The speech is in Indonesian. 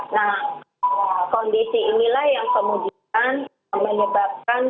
nah kondisi inilah yang kemudian menyebabkan